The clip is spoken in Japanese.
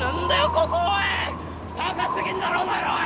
高すぎんだろお前らおい！